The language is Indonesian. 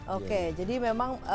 oke jadi memang